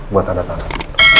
buat anda tangan